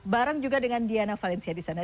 barang juga dengan diana valencia disana